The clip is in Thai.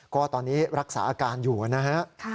ก็ตอนนี้รักษาอาการอยู่นะฮะ